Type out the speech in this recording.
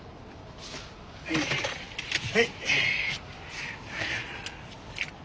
はい。